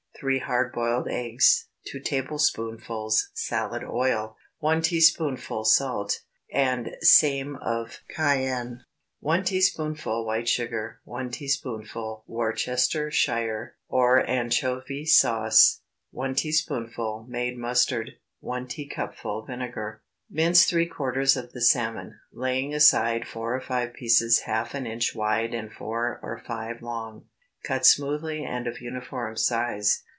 3 hard boiled eggs. 2 tablespoonfuls salad oil. 1 teaspoonful salt, and same of cayenne. 1 teaspoonful white sugar. 1 teaspoonful Worcestershire or anchovy sauce. 1 teaspoonful made mustard. 1 teacupful vinegar. Mince three quarters of the salmon, laying aside four or five pieces half an inch wide and four or five long; cut smoothly and of uniform size.